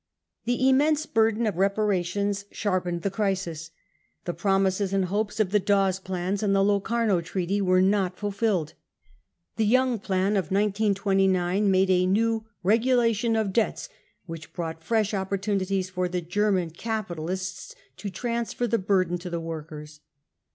The immense burden of reparations sharpened the crisis. The promises and iiopes of the Dawes Plan and the Locarno Treaty were not fulfilled. The Young Plan of 1929 made a new u regulation of debts " which brought fresh opportuni ties for the German capitalists to transfer the burden to the workers.